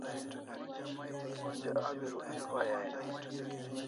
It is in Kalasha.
Onja abi Rukmu pai aimi